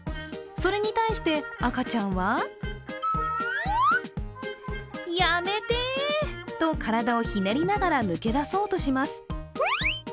それに対して、赤ちゃんはやめてー！と体をひねりながら抜け出そうとします。